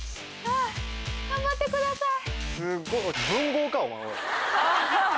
あぁ頑張ってください。